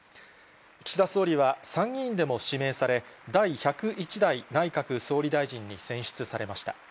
岸田総理は参議院でも指名され、第１０１代内閣総理大臣に選出されました。